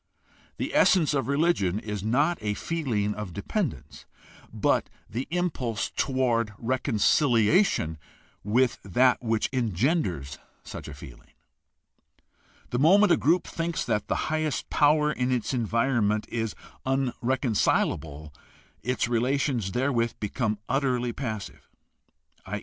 The essence of religion is not a feeling of dependence, but the impulse toward reconciliation with that which engenders such a feeling. The moment a group thinks that the highest power in its environment is unreconcilable its relations therewith become utterly passive, i.